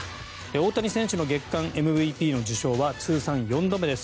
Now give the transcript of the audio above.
大谷選手の月間ＭＶＰの受賞は通算４度目です。